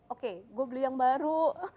oke gue beli yang baru